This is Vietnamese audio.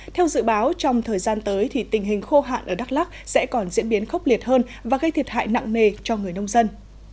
theo dự báo trong thời gian tới thì tình hình khô hạn ở đắk lắc sẽ còn diễn biến khốc liệt hơn và gây thiệt hại nặng nề cho người nông dân